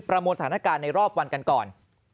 มวลสถานการณ์ในรอบวันกันก่อน